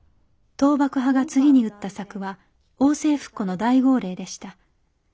倒幕派が次に打った策は「王政復古の大号令」でした。